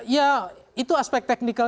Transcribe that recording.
ya itu aspek teknikalnya